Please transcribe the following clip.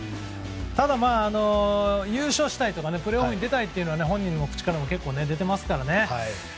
ただ、優勝したいとかプレーオフに出たいとかは本人の口からも結構出ていますからね。